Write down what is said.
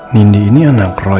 nindi ini anak roy